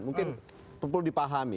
mungkin perlu dipahami